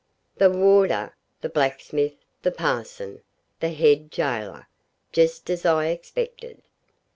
The warder, the blacksmith, the parson, the head gaoler, just as I expected.